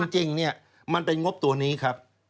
จริงมันเป็นงบตัวนี้ครับ